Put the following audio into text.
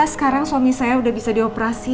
sekarang suami saya udah bisa dioperasi